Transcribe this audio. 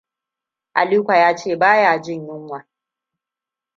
Aliko ya ce baya jin yunwa.